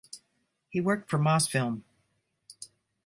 He worked for Mosfilm.